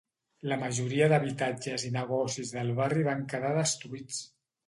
La majoria d'habitatges i negocis del barri van quedar destruïts.